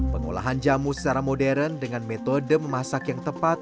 pengolahan jamu secara modern dengan metode memasak yang tepat